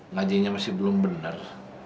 ngajinya masih belum bener